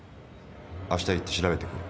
あした行って調べてくる。